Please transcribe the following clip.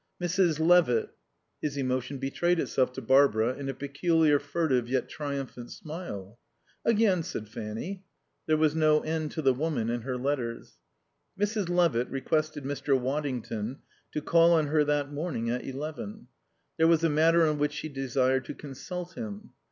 "Mrs. Levitt " His emotion betrayed itself to Barbara in a peculiar furtive yet triumphant smile. "Again?" said Fanny. (There was no end to the woman and her letters.) Mrs. Levitt requested Mr. Waddington to call on her that morning at eleven. There was a matter on which she desired to consult him.